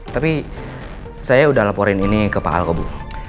tapi saya udah laporin ini ke pak alko bu